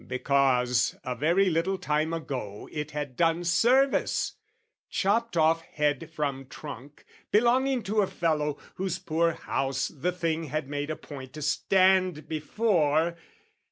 Because a very little time ago It had done service, chopped off head from trunk, Belonging to a fellow whose poor house The thing had made a point to stand before.